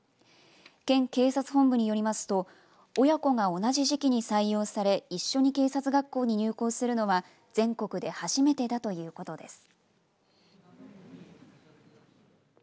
県警察本部によりますと親子が同じ時期に採用され一緒に警察学校に入校するのは全国で初めてだということです。